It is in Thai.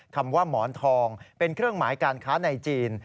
คำว่าหมอนทองเป็นเครื่องหมายการค้าในจีน